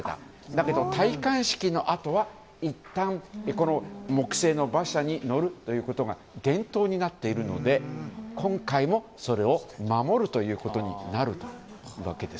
だけど戴冠式のあとはいったんこの木製の馬車に乗ることが伝統になっているので今回も、それを守るということになるというわけです。